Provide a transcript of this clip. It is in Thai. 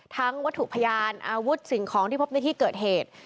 วัตถุพยานอาวุธสิ่งของที่พบในที่เกิดเหตุ